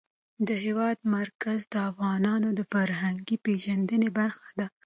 د هېواد مرکز د افغانانو د فرهنګي پیژندنې برخه ده.